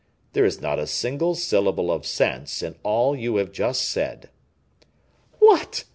"There is not a single syllable of sense in all you have just said." "What!"